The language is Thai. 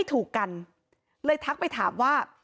กลุ่มวัยรุ่นฝั่งพระแดง